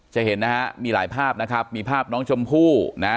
จะเห็นนะฮะมีหลายภาพนะครับมีภาพน้องชมพู่นะ